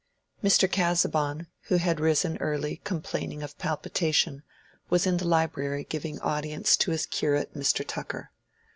Mr. Casaubon, who had risen early complaining of palpitation, was in the library giving audience to his curate Mr. Tucker.